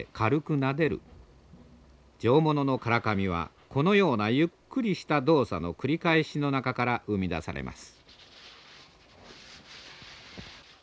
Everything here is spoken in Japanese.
上物の唐紙はこのようなゆっくりした動作の繰り返しの中から生み出されます。